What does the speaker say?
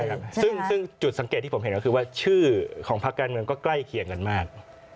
ใช่ครับซึ่งจุดสังเกตที่ผมเห็นแล้วคือว่าชื่อของพกกก็ใกล้เกียวกันมาก